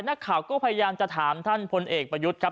นักข่าวก็พยายามจะถามท่านพลเอกประยุทธ์ครับ